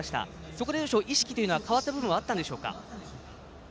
そこで意識が変わった部分はあったんでしょうか。